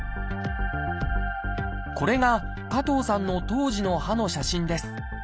これが加藤さんの当時の歯の写真です。